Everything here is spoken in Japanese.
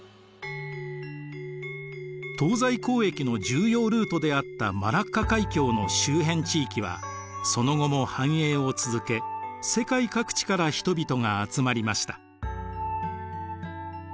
東西交易の重要ルートであったマラッカ海峡の周辺地域はその後も繁栄を続け世界各地から人々が集まりました。